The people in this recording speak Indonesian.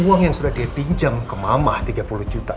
uang yang sudah dia pinjam ke mamah tiga puluh juta